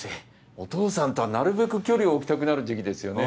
お父さんとはなるべく距離を置きたくなる時期ですよね。